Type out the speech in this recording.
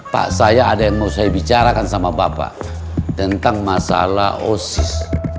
pak saya ada yang mau saya bicarakan sama bapak tentang masalah osis